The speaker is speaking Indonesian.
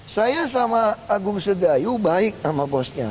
saya sama agung sedayu baik sama bosnya